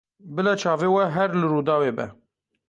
Bila çavê we her li Rûdawê be.